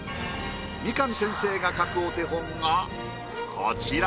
三上先生が描くお手本がこちら。